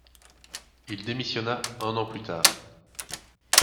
Il démissionna un an plus tard.